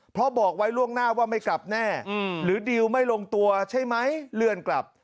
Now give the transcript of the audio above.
เพราะบอกไว้ล่วงหน้าว่าไม่กลับแน่หรือดิวไม่ลงตัวใช่ไหมเลื่อนกลับ